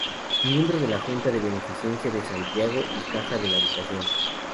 Miembro de la Junta de Beneficencia de Santiago y Caja de la Habitación.